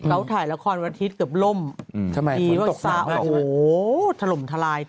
ถ้าพายะเล้วของเมื่อกับล่มทำไมดีวะแบบสาเหาะทะลมทะลาย